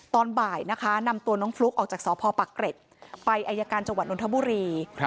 ตอนบ่ายนะคะนำตัวน้องฟลุ๊กออกจากสพปักเกร็ดไปอายการจังหวัดนทบุรี